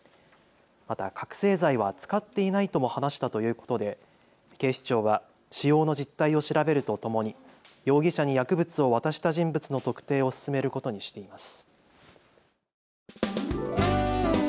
また覚醒剤は使っていないとも話したということで警視庁は使用の実態を調べるとともに容疑者に薬物を渡した人物の特定を進めることにしています。